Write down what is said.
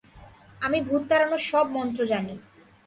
আমি ভূত তাড়ানো সব মন্ত্র জানি।